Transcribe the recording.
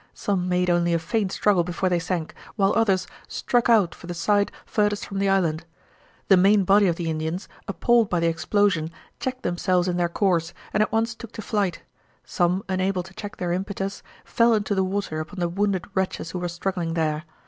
Some made only a faint struggle before they sank, while others struck out for the side furthest from the island. The main body of the Indians, appalled by the explosion, checked themselves in their course and at once took to flight; some, unable to check their impetus, fell into the water upon the wounded wretches who were struggling there.